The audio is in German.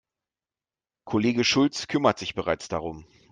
Kollege Schulz kümmert sich bereits darum.